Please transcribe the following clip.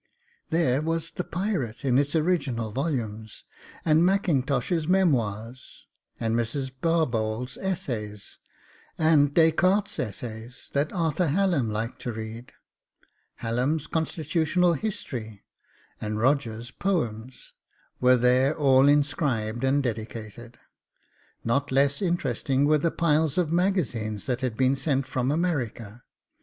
There was the PIRATE in its original volumes, and Mackintosh's MEMOIRS, and Mrs. Barbauld's ESSAYS, and Descartes's ESSAYS, that Arthur Hallam liked to read; Hallam's CONSTITUTIONAL HISTORY, and Rogers's POEMS, were there all inscribed and dedicated. Not less interesting were the piles of Magazines that had been sent from America.